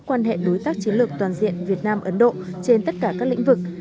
quan hệ đối tác chiến lược toàn diện việt nam ấn độ trên tất cả các lĩnh vực